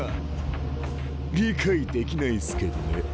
理解できないっすけどね。